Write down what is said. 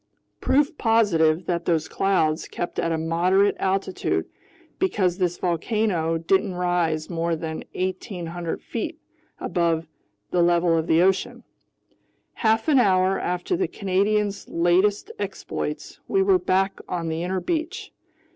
Proof positive that those clouds kept at a moderate altitude, because this volcano didn't rise more than 1,800 feet above the level of the ocean. Half an hour after the Canadian's latest exploits, we were back on the inner beach.